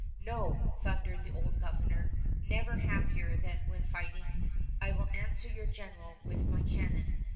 "No," thundered the old Governor, never happier than when fighting, "I will answer your General with my cannon!